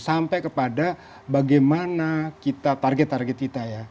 sampai kepada bagaimana kita target target kita ya